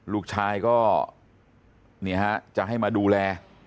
ลูกชายก็เนี่ยจะให้มาดูแล